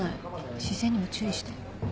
視線にも注意して。